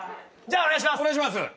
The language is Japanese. じゃあお願いします。